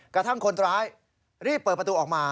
กระทั่งคนร้ายรีบเปิดประตูออกมา